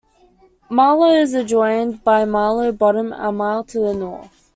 Marlow is adjoined by Marlow Bottom, a mile to the north.